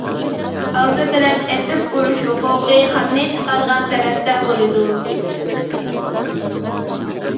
ئالدى بىلەن ئېتىپ ئۇرۇش ھوقۇقى خاننى چىقارغان تەرەپتە بولىدۇ.